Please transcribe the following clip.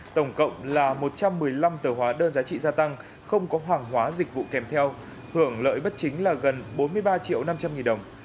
tổng cộng là một trăm một mươi năm tờ hóa đơn giá trị gia tăng không có hoàng hóa dịch vụ kèm theo hưởng lợi bất chính là gần bốn mươi ba triệu năm trăm linh nghìn đồng